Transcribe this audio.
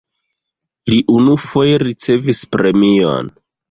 Li unufoje ricevis premion.